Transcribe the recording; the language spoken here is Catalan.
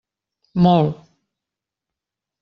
Molt.